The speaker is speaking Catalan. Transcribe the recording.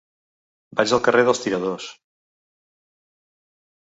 Vaig al carrer dels Tiradors.